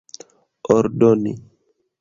ordoni